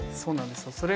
そうなんですよ。